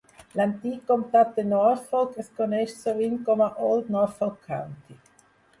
L'antic comtat de Norfolk es coneix sovint com a Old Norfolk County.